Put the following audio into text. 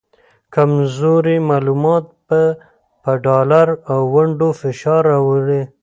کمزوري معلومات به په ډالر او ونډو فشار راوړي